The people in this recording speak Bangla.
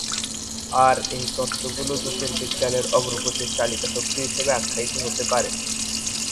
তার এই তত্ত্বগুলো জ্যোতির্বিজ্ঞানের অগ্রগতির চালিকাশক্তি হিসেবে আখ্যায়িত হতে পারে।